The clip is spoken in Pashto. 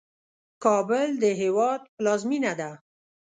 کابل د هیواد پلازمېنه ده.